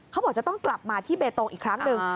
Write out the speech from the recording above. เขาบอกจะต้องกลับมาที่เบตงอีกครั้งหนึ่ง